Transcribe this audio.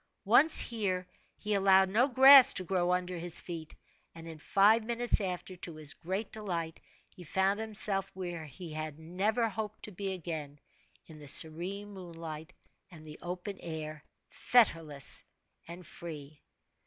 Once here he allowed no grass to grow under his feet; and, in five minutes after, to his great delight, he found himself where he had never hoped to be again in the serene moonlight and the open air, fetterless and free.